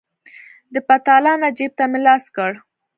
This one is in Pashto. د پتلانه جيب ته مې لاس کړ.